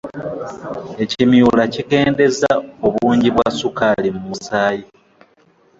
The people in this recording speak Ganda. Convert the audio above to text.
Ekimyula kikendeza obungi bwa sukaali mu musaayi.